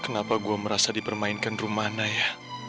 kenapa gue merasa dipermainkan rumah naya